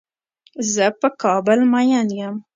زۀ په کابل مين يم.